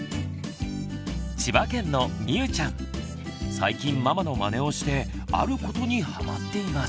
最近ママのマネをしてあることにハマっています。